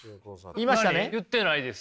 言ってないです。